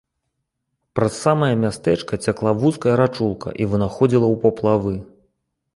Праз самае мястэчка цякла вузкая рачулка і вынаходзіла ў паплавы.